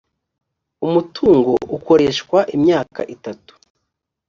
umutungo ukoreshwa imyaka itatu .